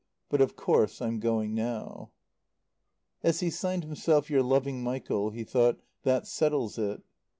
But of course I'm going now." As he signed himself, "Your loving Michael," he thought: "That settles it."